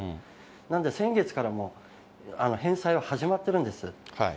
なんで、先月からもう返済は始まってるんです。